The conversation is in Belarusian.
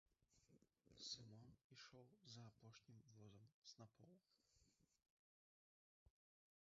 Сымон ішоў за апошнім возам снапоў.